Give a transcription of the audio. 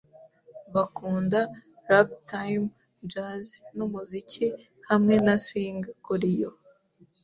Bakunda ragtime, jazz numuziki hamwe na swing kuri yo.